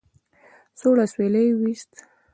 سوړ اسويلی يې ويست.